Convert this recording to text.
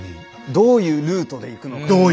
どういうルートで行くのか。